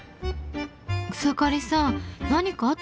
草刈さん何かあったんですか？